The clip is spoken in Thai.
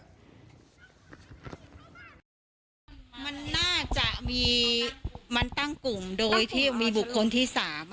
มันน่าจะมีมันตั้งกลุ่มโดยที่มีบุคคลที่๓